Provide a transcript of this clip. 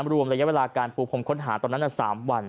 รวมระยะเวลาการปูพรมค้นหาตอนนั้น๓วัน